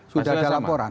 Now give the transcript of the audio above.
sudah ada laporan